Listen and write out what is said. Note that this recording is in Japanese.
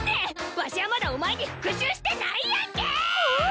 わしはまだお前に復讐してないやんけっ！